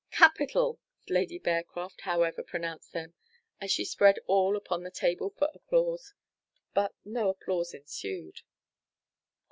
"Capital!" Lady Bearcroft, however, pronounced them, as she spread all upon the table for applause but no applause ensued.